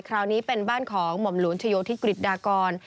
คราวนี้เป็นบ้านของหม่อมหลวงชโยธิกฤษดากร